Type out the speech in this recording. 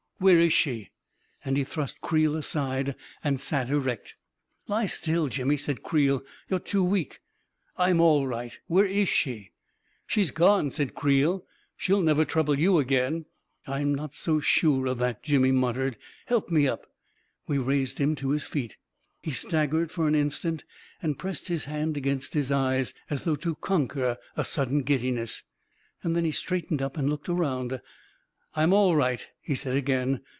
" Where is she ?" and he thrust Creel aside and sat erect. 374 A KING IN BABYLON " Lie still, Jimmy !" said Creel. " You're too weak ..."" I'm all right ! Where is she ?"" She's gone," said Creel. " She will never trou ble you again !"" I am not so sure of that! " Jimmy muttered. " Help me up." We raised him to his feet He staggered for an instant and pressed his hand against his eyes, as though to conquer a sudden giddiness. Then he straightened up and looked around. " I'm all right I " he said again.